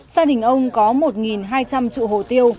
gia đình ông có một hai trăm linh trụ hồ tiêu